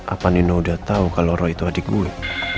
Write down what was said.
apa nino udah tau kalau roro itu adik gue